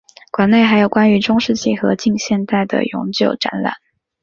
馆内还有关于中世纪和近现代的永久展览。